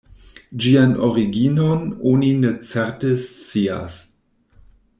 Ĝian originon oni ne certe scias.